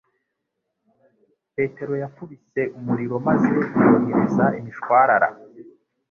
Petero yakubise umuriro maze yohereza imishwarara